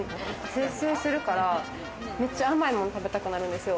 吸収するから、めっちゃ甘いもの食べたくなるんですよ。